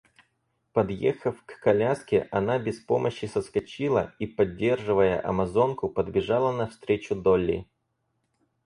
Подъехав к коляске, она без помощи соскочила и, поддерживая амазонку, подбежала навстречу Долли.